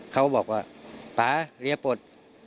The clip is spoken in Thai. เขาบอกว่าป๊าเรียปลด